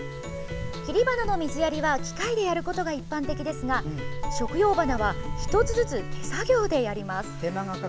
切り花の水やりは機械でやることが一般的ですが食用花は１つずつ手作業でやります。